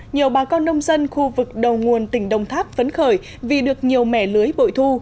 nhiều bà con nông dân khu vực đầu nguồn tỉnh đồng tháp phấn khởi vì được nhiều mẻ lưới bội thu